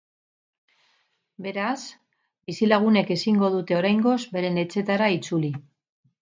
Beraz, bizilagunek ezingo dute oraingoz beren etxeetara itzuli.